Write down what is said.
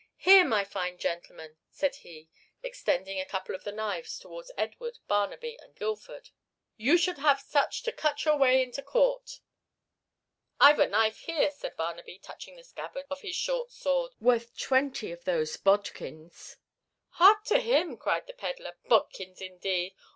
Here, my fine gentlemen," said he, extending a couple of the knives towards Edward, Barnaby, and Guildford, "you should have such to cut your way into court." "I've a knife here," said Barnaby, touching the scabbard of his short sword, "worth twenty of those bodkins." "Hark to him!" cried the pedler. "Bodkins indeed!